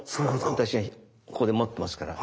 私がここで持ってますから。